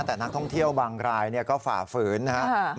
แต่นักท่องเที่ยวบางรายก็ฝ่าฝืนนะครับ